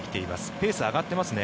ペース上がってますね？